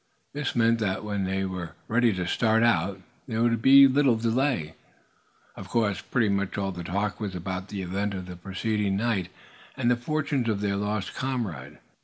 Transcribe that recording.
This meant that when they were ready to start out, there would be little delay. Of course, pretty much all the talk was about the event of the preceding night, and the fortunes of their lost comrade.